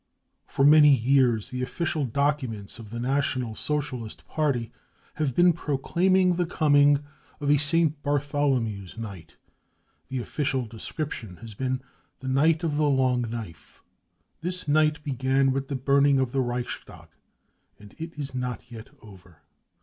For many years the official documents of the National Socialist Party have been proclaiming the coming of a St. Bartholomew's Night ; the official description has been " the night of the long knife." This Night began with the burning of the Reichstag, and it is not yet over.